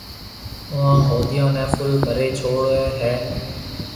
اُوئون هوديون نَي ڦُل ڀريَ ڇوڙيَ هيَ۔